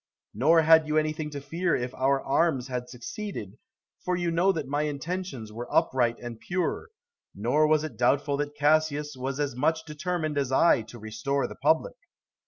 Nor had you anything to fear if our arms had succeeded, for you know that my intentions were upright and pure; nor was it doubtful that Cassius was as much determined as I to restore the Republic.